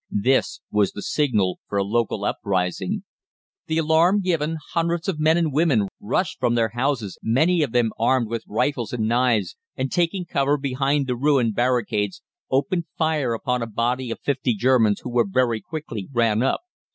This was the signal for a local uprising. The alarm given, hundreds of men and women rushed from their houses, many of them armed with rifles and knives, and, taking cover behind the ruined barricades, opened fire upon a body of fifty Germans, who very quickly ran up.